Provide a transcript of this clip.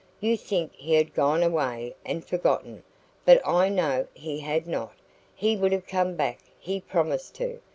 You think he had gone away and forgotten, but I know he had not; he would have come back he promised to.